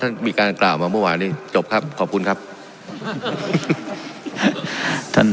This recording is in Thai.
ท่านมีการกล่าวมาเมื่อวานนี้จบครับขอบคุณครับท่าน